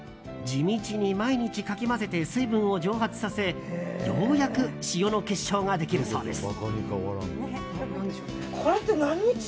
地道に毎日かき混ぜて水分を蒸発させようやく塩の結晶ができるそうです。